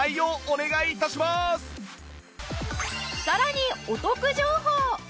さらにお得情報！